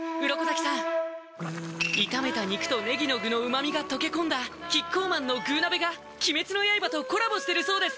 鱗滝さん炒めた肉とねぎの具の旨みが溶け込んだキッコーマンの「具鍋」が鬼滅の刃とコラボしてるそうです